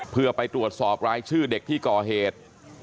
เพื่อไปตรวจสอบรายชื่อเด็กที่ก่อเหตุ